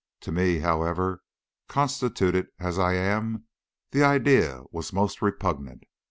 To me, however, constituted as I am, the idea was most repugnant.